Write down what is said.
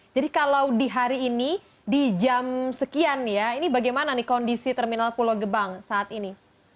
jadi kalau di hari ini di jam sekian ya ini bagaimana nih kondisi terminal pulau gebang saat ini